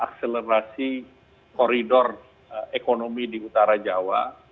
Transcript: akselerasi koridor ekonomi di utara jawa